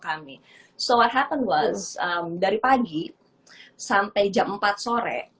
jadi apa yang terjadi adalah dari pagi sampai jam empat sore